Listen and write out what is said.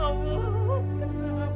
ampuni burhan pak